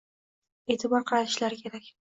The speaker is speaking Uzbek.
e'tibor qaratishlari kerak